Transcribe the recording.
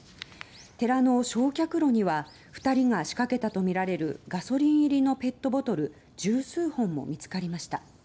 寺の焼却炉には２人が仕掛けたとみられるガソリン入りのペットボトル十数本も見つかりました。